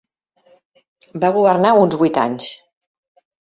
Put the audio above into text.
Va governar uns vuit anys.